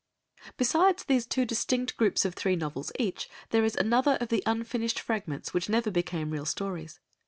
Besides these two distinct groups of three novels each, there is another of the unfinished fragments, which never became real stories.